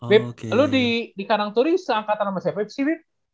bib lu di karangturi seangkatan sama saya bib